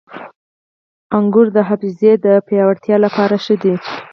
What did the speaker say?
• انګور د حافظې د پیاوړتیا لپاره ښه دي.